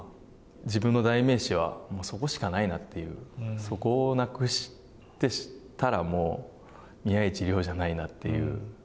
自分の代名詞はそこしかないなっていう、そこをなくしたらもう、宮市亮じゃないなっていう。